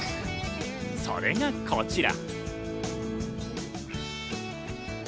それがこちら。